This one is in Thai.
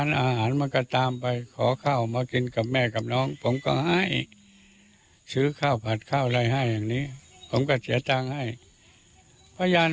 น้องเข้าไปในบ้านของคุณลุงแล้วก็เข้าไปเอาแมวอันนี้จริงไหมคะ